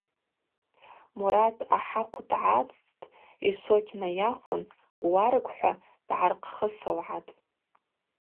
Мурат ахӏахъв дгӏацӏцӏтӏ, йшвокь найахвын уаргв – хӏва дгӏархъхысылгӏатӏ.